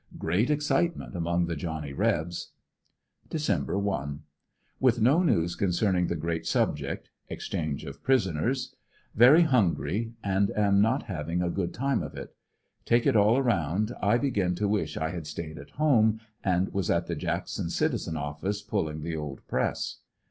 Great excitement among the Johnny Rebs. Dec. 1.— With no news concerning the great subject — exchange of prisoners Very hungry and am not having a good time of it. Take it all around I begin to wish I had stayed at home and was at the Jackson Citizen office pulling the old press.